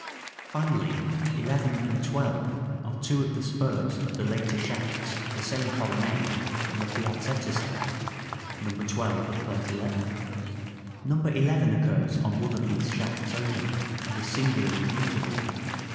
Finally, 11 and 12 are two of the spurs of the later shafts of the same colonnade on the Piazzetta side (No. 12 of Plate XI.). No. 11 occurs on one of these shafts only, and is singularly beautiful.